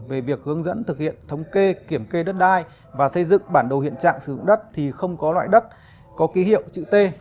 về việc hướng dẫn thực hiện thống kê kiểm kê đất đai và xây dựng bản đồ hiện trạng sử dụng đất thì không có loại đất có ký hiệu chữ t